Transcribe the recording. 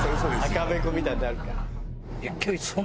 赤べこみたいになるから。